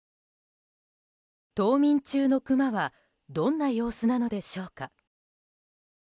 冬眠中のクマはどんな様子なのでしょうか。